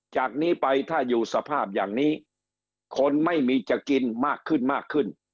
จากนี้ไปถ้าอยู่สภาพอย่างนี้คนไม่มีจะกินมากขึ้นมากขึ้น